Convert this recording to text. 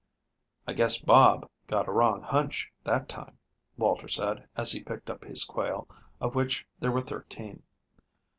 "I guess Bob got a wrong hunch that time," Walter said, as he picked up his quail, of which there were thirteen.